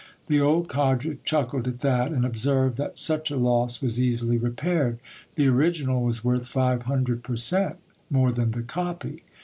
The old ccdger chuckled at that, and observed, that such a loss was easily repaired : the original was worth five hundred per cent, more than the copy.